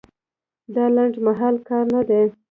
دا لنډمهالی کار نه دی.